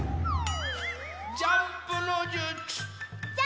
ジャンプのじゅつ！